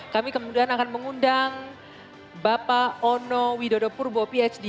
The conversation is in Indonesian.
kami kemudian akan mengundang bapak ono widodo purbo phd